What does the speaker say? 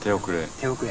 手遅れ。